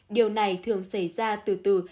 điều này thường xảy ra từ từ